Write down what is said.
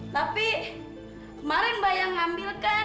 tapi kemarin mbak yang ngambil kan